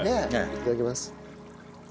いただきます。